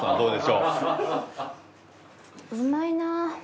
うまいな。